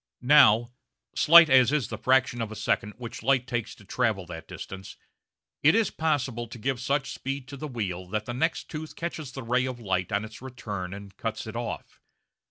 Now, slight as is the fraction of a second which light takes to travel that distance, it is possible to give such speed to the wheel that the next tooth catches the ray of light on its return and cuts it off.